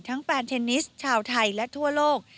แฟนเทนนิสชาวไทยและทั่วโลก